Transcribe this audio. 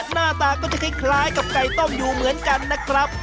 หน้าตาก็จะคล้ายกับไก่ต้มอยู่เหมือนกันนะครับ